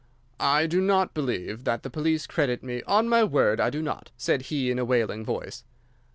"I do not believe that the police credit me—on my word, I do not," said he in a wailing voice.